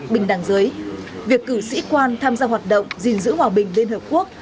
bình đẳng giới việc cử sĩ quan tham gia hoạt động gìn giữ hòa bình liên hợp quốc